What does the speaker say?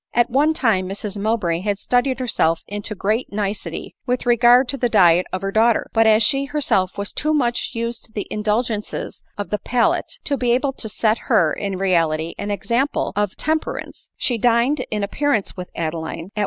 At one time Mrs Mowbray had studied herself into great nicety with regard to the diet of her daughter ; but, as she herself was too much used to the indulgences of the palate to be able to set her, in reality, an example of I ADELINE MOWBRAY. f temperance, she dined in appearance with Adeline at